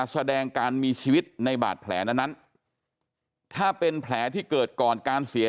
แสดงการมีชีวิตในบาดแผลนั้นถ้าเป็นแผลที่เกิดก่อนการเสีย